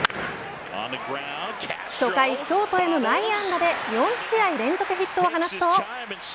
初回ショートへの内野安打で４試合連続ヒットを放つと。